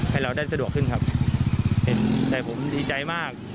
ให้เราได้สะดวกขึ้นครับเห็นแต่ผมดีใจมาก